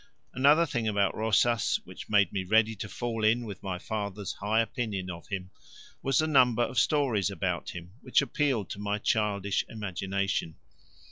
Another thing about Rosas which made me ready to fall in with my father's high opinion of him was the number of stories about him which appealed to my childish imagination.